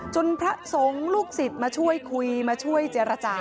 พระสงฆ์ลูกศิษย์มาช่วยคุยมาช่วยเจรจา